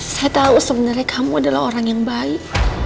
saya tahu sebenarnya kamu adalah orang yang baik